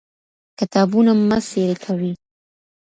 کتابونه مه څيرې کوئ.